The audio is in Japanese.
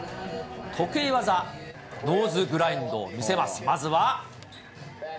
得意技、ノーズグラインドを見せます、まずは。